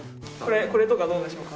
これとかどうでしょうか？